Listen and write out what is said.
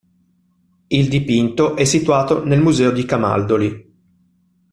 Il dipinto è situato nel Museo di Camaldoli.